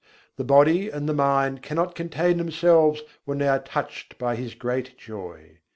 The body and the mind cannot contain themselves, when they are touched by His great joy.